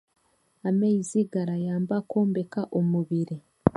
Amaizi garayamba kw'ombeka omubiri